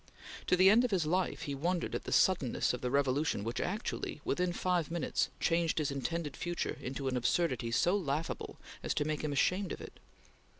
To the end of his life, he wondered at the suddenness of the revolution which actually, within five minutes, changed his intended future into an absurdity so laughable as to make him ashamed of it.